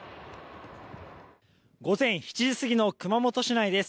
午前７時過ぎの熊本市内です。